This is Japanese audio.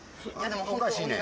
おかしいねん。